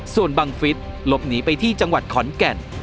ส่วนบังฟิศหลบหนีไปที่จังหวัดขอนแก่น